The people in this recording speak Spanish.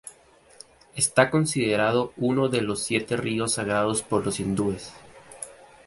Está considerado uno de los siete ríos sagrados por los hindúes.